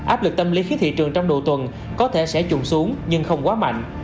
áp lực tâm lý khí thị trường trong đủ tuần có thể sẽ chuồng xuống nhưng không quá mạnh